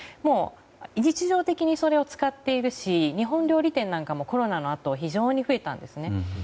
日常的にそれを使っているし日本料理店なんかもコロナのあと非常に増えたんですね。